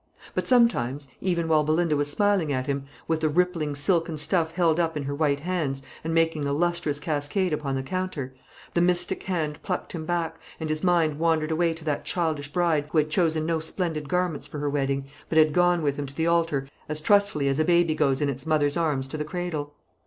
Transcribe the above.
But sometimes, even while Belinda was smiling at him, with the rippling silken stuff held up in her white hands, and making a lustrous cascade upon the counter, the mystic hand plucked him back, and his mind wandered away to that childish bride who had chosen no splendid garments for her wedding, but had gone with him to the altar as trustfully as a baby goes in its mother's arms to the cradle.